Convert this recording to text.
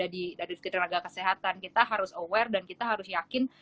dari segi tenaga kesehatan kita harus aware dan kita harus yakin